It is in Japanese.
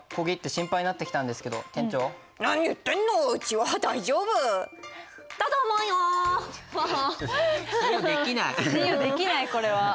信用できないこれは。